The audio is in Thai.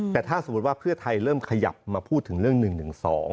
แต่ถ้าสมมุติว่าเพื่อไทยเริ่มขยับมาพูดถึงเรื่อง๑๑๒